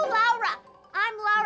jauh lebih cantik